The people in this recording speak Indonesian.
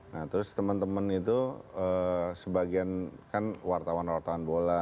nah terus teman teman itu sebagian kan wartawan wartawan bola